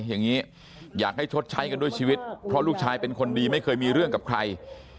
อย่างนี้อยากให้ชดใช้กันด้วยชีวิตเพราะลูกชายเป็นคนดีไม่เคยมีเรื่องกับใคร